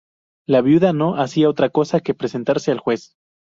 La viuda no hacía otra cosa que presentarse al juez.